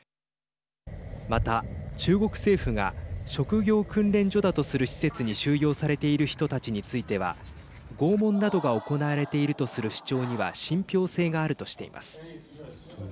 また、中国政府が職業訓練所だとする施設に収容されている人たちについては拷問などが行われているとする主張には信ぴょう性があるとしています。